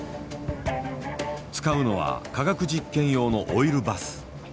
使うのは化学実験用のオイルバス。